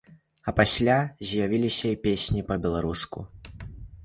А пасля з'явіліся і песні па-беларуску.